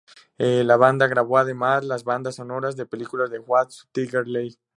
La banda grabó además las bandas sonoras de las películas What's Up, Tiger Lily?